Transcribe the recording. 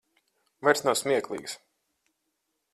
Vairs nav smieklīgs.